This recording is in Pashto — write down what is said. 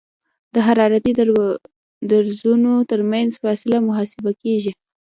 د حرارتي درزونو ترمنځ فاصله محاسبه کیږي